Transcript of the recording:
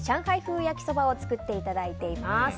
焼きそばを作っていただいております。